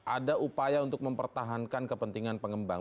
ada upaya untuk mempertahankan kepentingan pengembang